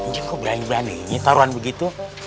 cing kok berani berani taruhan begitu